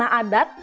dan abusana adat